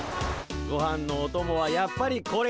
ごはんのおともはやっぱりこれにかぎるで。